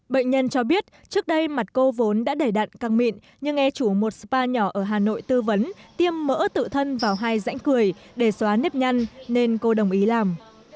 bệnh nhân cho biết trước đây mặt cô vốn đã đẩy đặn càng mịn nhưng nghe chủ một spa nhỏ ở hà nội tư vấn tiêm mỡ tự thân vào hai rãnh cười để xóa nếp nhăn nên cô đồng ý làm